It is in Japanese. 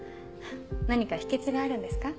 何か秘訣があるんですか？